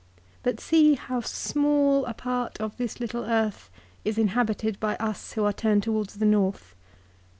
But, see, how small a part of this little earth is inhabited by us who are turned towards the north.